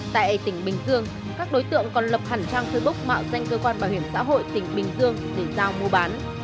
tại tỉnh bình dương các đối tượng còn lập hẳn trang facebook mạo danh cơ quan bảo hiểm xã hội tỉnh bình dương để giao mua bán